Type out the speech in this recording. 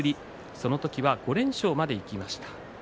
その時は５連勝までいきました。